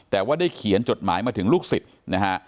แต่ว่าได้เขียนจดหมายมาถึงลูกศิษย์นะฮะ